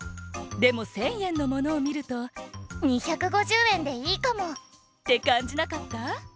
でも１０００えんのものをみると「２５０えんでいいかも」ってかんじなかった？